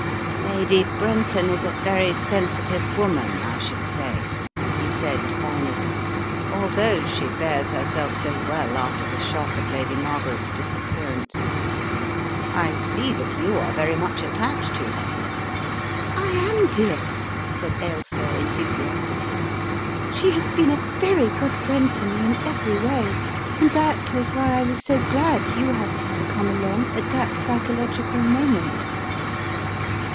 "Lady Brenton is a very sensitive woman, I should jsay," he said, finally, "although she bears herself so well after the shock of Lady Margaret's disappear ance. I see that you are very much attached to her." "I am, dear," said Ailsa, enthusiastically. "She has been a very good friend to me in every way, and 164 The Riddle of the Purple Emperor that was why I was so glad you happened to come along at that psychological moment."